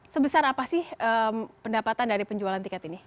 sebesar apa sih pendapatan dari penjualan tiket ini